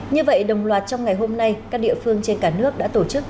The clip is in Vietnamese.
như vậy đồng loạt trong ngày hôm nay các địa phương trên cả nước đã tổ chức